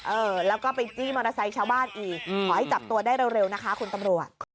เออแล้วก็ไปจี้มอเตอร์ไซค์ชาวบ้านอีกขอให้จับตัวได้เร็วนะคะคุณตำรวจ